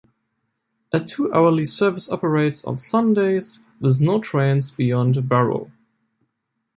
A two-hourly service operates on Sundays, with no trains beyond Barrow.